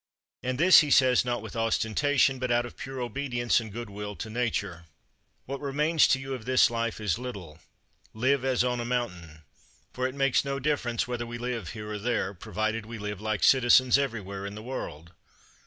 And this he says, not with ostentation, but out of pure obedience and good will to Nature. 15. What remains to you of this life is little. Live as on a mountain. For it makes no difference whether we live here or there, provided we live like citizens everywhere in the world.